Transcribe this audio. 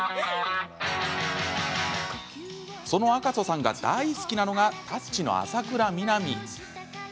その赤楚さんが大好きなのが「タッチ」の浅倉南。